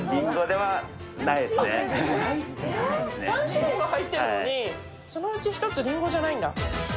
３種類も入ってるのに、そのうちの一つ、りんごじゃないんだ。